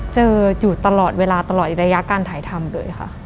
เจออยู่ตลอดเวลาตลอดระยะการถ่ายทำเลยค่ะ